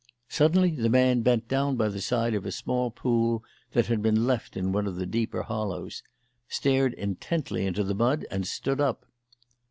Suddenly the man bent down by the side of a small pool that had been left in one of the deeper hollows, stared intently into the mud, and stood up.